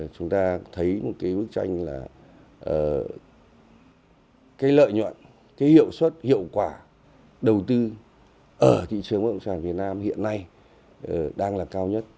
chúng ta thấy một bức tranh là lợi nhuận hiệu suất hiệu quả đầu tư ở thị trường bất động sản việt nam hiện nay đang là cao nhất